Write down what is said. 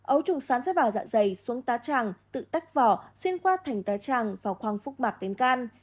ấu trùng sán sẽ vào dạ dày xuống tá tràng tự tách vỏ xuyên qua thành tá tràng và khoang phúc mạc đến gan